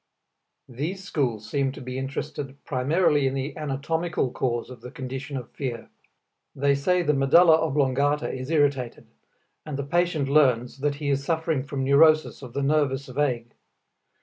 These schools seem to be interested primarily in the anatomical cause of the condition of fear. They say the medulla oblongata is irritated, and the patient learns that he is suffering from neurosis of the nervus vague.